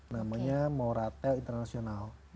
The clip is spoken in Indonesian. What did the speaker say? namanya moratel international